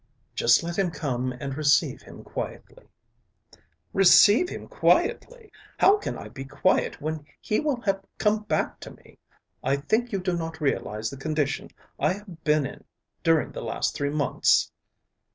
"Just let him come and receive him quietly." "Receive him quietly! How can I be quiet when he will have come back to me? I think you do not realise the condition I have been in during the last three months."